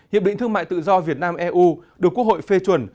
hiệp định thương mại tự do việt nam eu được quốc hội phê chuẩn